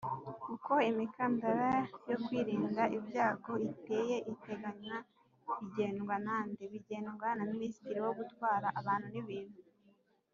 uko imikandara yokwirinda ibyago iteye iteganywa bigenwa nande?bigenwa na ministre wo gutwara abantu n’ibintu